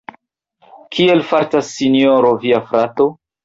Kiel fartas Sinjoro via frato?